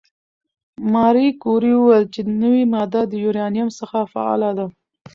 ماري کوري وویل چې نوې ماده د یورانیم څخه فعاله ده.